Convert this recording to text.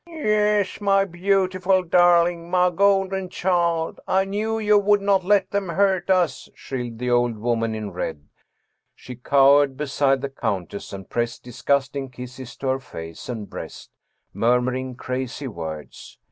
Yes, my beautiful darling my golden child I knew you would not let them hurt us/ shrilled the old woman in red. She cowered be side the countess and pressed disgusting kisses to her face and breast, murmuring crazy words.